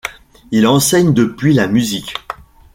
Il enseigne depuis la musique.